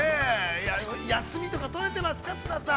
休みとか取れてますか、綱さん。